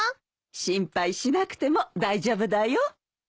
心配しなくても大丈夫だよ。